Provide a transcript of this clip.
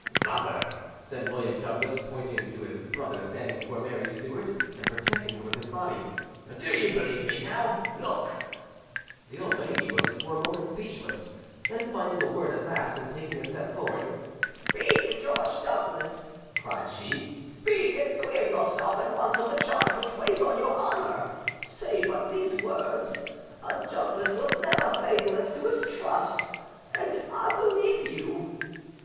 "Mother," said William Douglas, pointing to his brother standing before Mary Stuart and protecting her with his body, "do you believe me now? Look!" The old lady was for a moment speechless; then finding a word at last, and taking a step forward— "Speak, George Douglas," cried she, "speak, and clear yourself at once of the charge which weighs on your honour; say but these words, 'A Douglas was never faithless to his trust,' and I believe you".